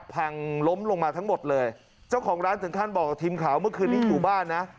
พังล้มลงมาทั้งหมดเลยเจ้าของร้านถึงขั้นบอกกับทีมข่าวเมื่อคืนนี้อยู่บ้านนะ